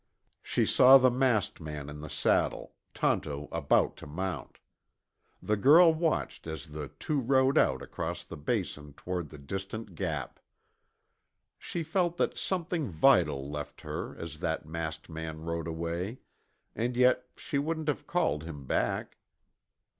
She saw the masked man in the saddle, Tonto about to mount. The girl watched as the two rode out across the Basin toward the distant Gap. She felt that something vital left her as that masked man rode away, and yet she wouldn't have called him back.